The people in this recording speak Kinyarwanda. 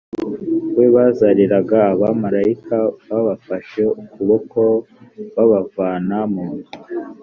we bazariraga abamarayika babafashe ukuboko babavana munzu